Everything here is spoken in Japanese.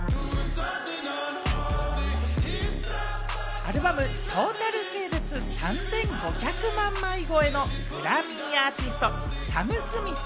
アルバム・トータル・セールス３５００万枚超えのグラミーアーティスト、サム・スミス。